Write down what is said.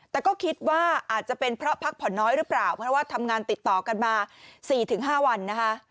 แต่ก็คิดว่าอาจจะเป็นเพราะพักผ่อนน้อยหรือเปล่าเพราะว่าทำงานติดต่อกันมา๔๕วันนะคะ